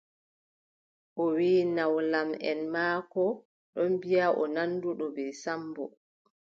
O wiʼi nawlamʼen maako ɗon mbiʼi o nanduɗo bee Sammbo.